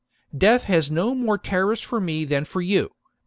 Death has no more terrors for me than for you.